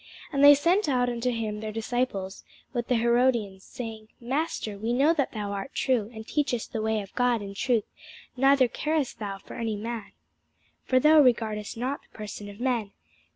And they sent out unto him their disciples with the Herodians, saying, Master, we know that thou art true, and teachest the way of God in truth, neither carest thou for any man: for thou regardest not the person of men.